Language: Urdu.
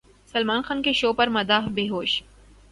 سلمان خان کے شو پر مداح بےہوش